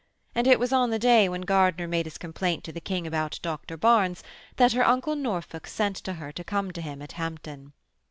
And it was on the day when Gardiner made his complaint to the King about Dr Barnes, that her uncle Norfolk sent to her to come to him at Hampton.